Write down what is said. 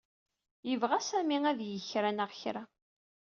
Yebɣa Sami ad yeg kra-neɣ-kra.